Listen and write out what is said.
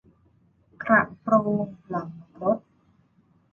กระโปรงหลังรถ